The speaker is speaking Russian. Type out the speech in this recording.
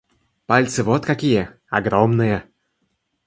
Пальцы вот какие — огромные!